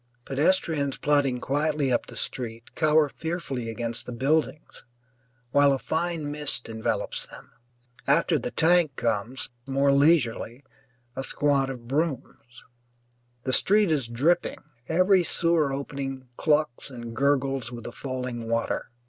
Pedestrians plodding quietly up the street cower fearfully against the buildings, while a fine mist envelops them. After the tank comes, more leisurely, a squad of brooms. The street is dripping, every sewer opening clucks and gurgles with the falling water.